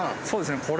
そうですね